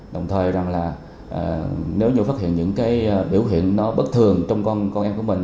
đồng thời nếu như phát hiện những biểu hiện bất thường trong con em của mình